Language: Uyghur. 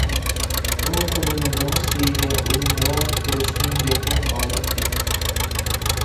ئۇ قولىنى دېڭىز سۈيىگە ئۇزۇنراق تۇرۇشنى بەكمۇ خالايتتى.